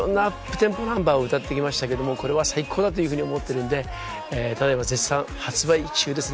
テンポナンバーを歌って来ましたけどもこれは最高だというふうに思ってるんでただ今絶賛発売中です